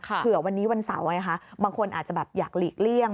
เผื่อวันนี้วันเสาร์ไงคะบางคนอาจจะแบบอยากหลีกเลี่ยง